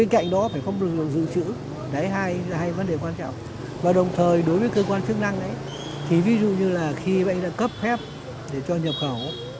cơ quan chức năng ví dụ như khi bạn cấp phép cho nhập khẩu